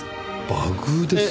バグですか？